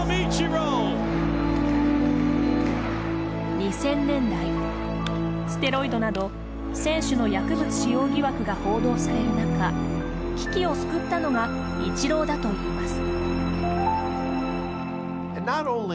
２０００年代ステロイドなど選手の薬物使用疑惑が報道される中危機を救ったのがイチローだといいます。